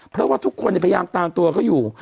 เพราะว่าทุกคนในทางตามตัวก็อยู่